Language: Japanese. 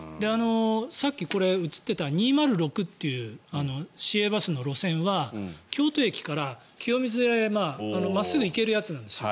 さっき、映っていた２０６っていう市営バスの路線は京都駅から清水寺へ真っすぐ行けるやつなんですよ。